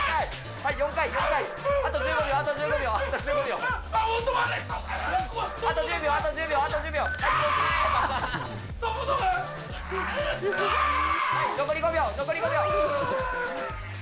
はい、残り５秒、残り５秒。